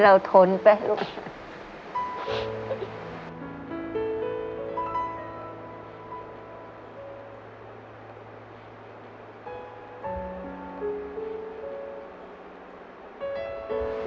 เราทนไปลูก